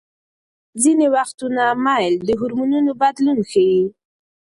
ځینې وختونه میل د هورمونونو بدلون ښيي.